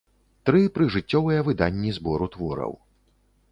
Тры прыжыццёвыя выданні збору твораў.